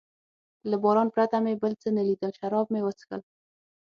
له باران پرته مې بل څه نه لیدل، شراب مې و څښل.